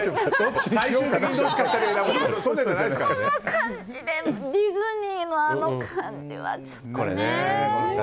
この感じでディズニーのあの感じはね。